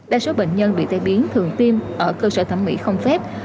đa số bệnh nhân bị tai biến thường tiêm ở cơ sở thẩm mỹ không phép